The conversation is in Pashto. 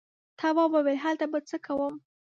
تواب وويل: هلته به څه کوم.